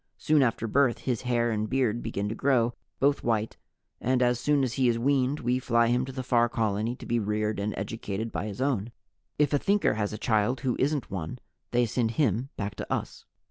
Soon after birth his hair and beard begin to grow, both white, and as soon as he is weaned we fly him to the Far Colony to be reared and educated by his own. If a Thinker has a child who isn't one, they send him back to us.